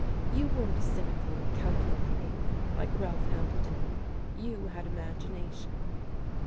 You weren't cynical and calculating, like Ralph Hambleton, you had imagination.